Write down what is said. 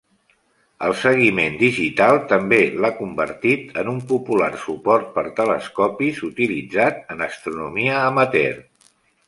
El seguiment digital també l'ha convertit en un popular suport per telescopis utilitzat en astronomia amateur.